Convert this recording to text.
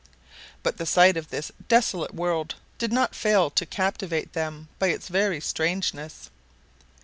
But the sight of this desolate world did not fail to captivate them by its very strangeness.